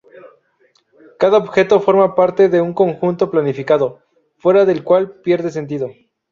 Cada objeto forma parte de un conjunto planificado, fuera del cual pierde sentido.